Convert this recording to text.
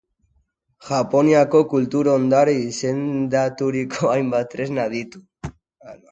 Japoniako Kultur ondare izendaturiko hainbat tresna ditu.